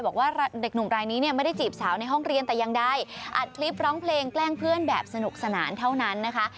บอกว่าเด็กหนุ่มรายนี้เนี่ยไม่ได้จีบสาวในห้องเรียนแต่อย่างใดอัดคลิปร้องเพลงแกล้งเพื่อนแบบสนุกสนานเท่านั้นนะคะ